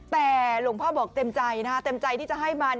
แต่หลวงพ่อบอกเต็มใจที่จะให้มัน